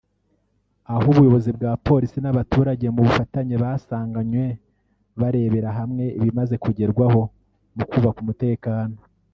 aho ubuyobozi bwa Polisi n’abaturage mu bufatanye basanganywe barebera hamwe ibimaze kugerwaho mu kubaka umutekano